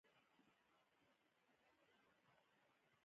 هغه د ډرایور شاته سیټ نه راپورته شو.